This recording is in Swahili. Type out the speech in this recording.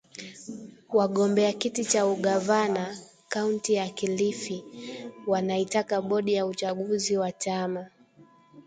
Wagombea kiti cha ugavana kaunti ya Kilifi wanaitaka bodi ya uchaguzi wa chama